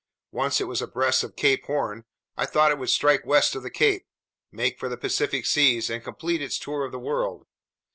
Once it was abreast of Cape Horn, I thought it would strike west of the cape, make for Pacific seas, and complete its tour of the world.